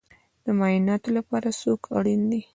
د معایناتو لپاره څوک اړین دی؟